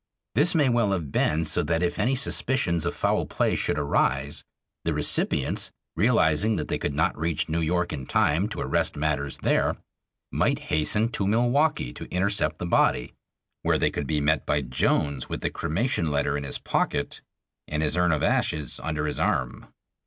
This may well have been so that if any suspicions of foul play should arise, the recipients, realizing that they could not reach New York in time to arrest matters there, might hasten to Milwaukee to intercept the body, where they could be met by Jones with the cremation letter in his pocket and his urn of ashes under his arm.